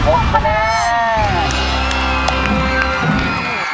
๑๖คะแนน